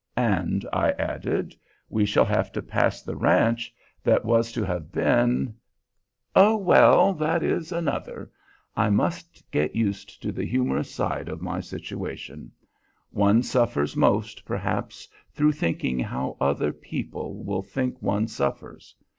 "And," I added, "we shall have to pass the ranch that was to have been" "Oh, well, that is another. I must get used to the humorous side of my situation. One suffers most, perhaps, through thinking how other people will think one suffers.